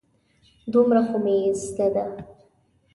دومره خو مې زده ده.